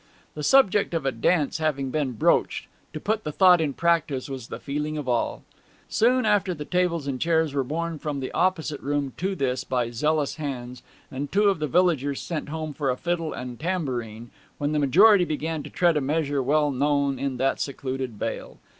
The subject of a dance having been broached, to put the thought in practice was the feeling of all. Soon after the tables and chairs were borne from the opposite room to this by zealous hands, and two of the villagers sent home for a fiddle and tambourine, when the majority began to tread a measure well known in that secluded vale.